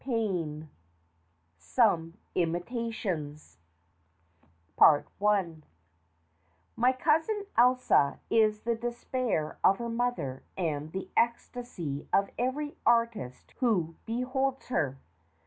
XXI SOME IMITATIONS MY cousin Elsa is the despair of her mother and the ecstasy of every artist who beholds her.